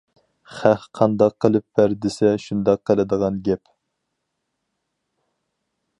خەق قانداق قىلىپ بەر دېسە شۇنداق قىلىدىغان گەپ.